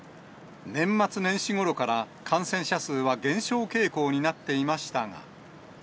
年末年始ごろから、感染者数は減少傾向になっていましたが。